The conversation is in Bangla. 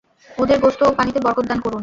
এদের গোশত ও পানিতে বরকত দান করুন।